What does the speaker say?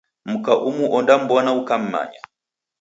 Mka umu ondam'mbona ukam'manya.